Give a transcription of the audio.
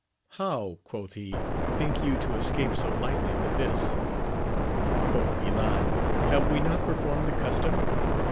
How ! quoth he, think you to escape so lightly with this? — Quoth Guilan, Have we not performed the custom